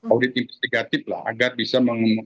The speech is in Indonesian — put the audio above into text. audit investigatif lah agar bisa